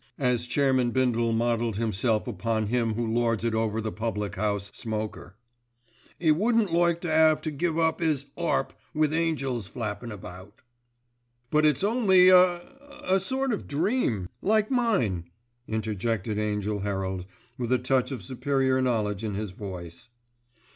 As chairman Bindle modelled himself upon him who lords it over the public house "smoker." "'E wouldn't like to 'ave to give up 'is 'arp with angels flapping about." "But it's only a—a—sort of dream, like mine," interjected Angell Herald, with a touch of superior knowledge in his voice.